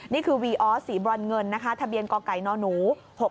นี่คือวีอสีบรรเงินทะเบียนกไก่นหนู